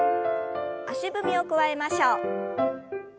足踏みを加えましょう。